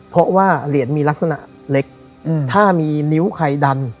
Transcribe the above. เพราะว่าเหรียญมีลักษณะเล็กถ้ามีนิ้วใครดัน